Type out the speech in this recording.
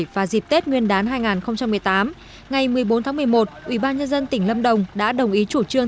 và dịp tết nguyên đán hai nghìn một mươi tám ngày một mươi bốn tháng một mươi một ubnd tỉnh lâm đồng đã đồng ý chủ trương